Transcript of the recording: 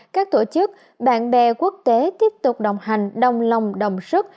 các tổ chức bạn bè quốc tế tiếp tục đồng hành đồng lòng đồng sức